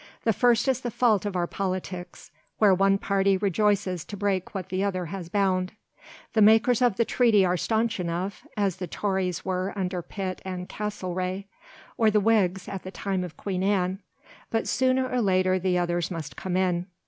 The first is the fault of our politics, where one party rejoices to break what the other has bound. The makers of the Treaty are staunch enough, as the Tories were under Pitt and Castlereagh, or the Whigs at the time of Queen Anne, but sooner or later the others must come in.